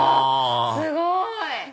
すごい！